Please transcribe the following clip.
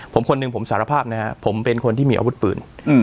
ผมคนหนึ่งผมสารภาพนะฮะผมเป็นคนที่มีอาวุธปืน